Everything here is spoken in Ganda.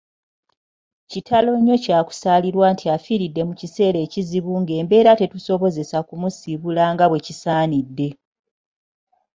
Kitalo nnyo kyakusaalirwa nti afiiridde mu kiseera ekizibu ng'embeera tetusobozesa kumusiibula nga bwekisaanidde.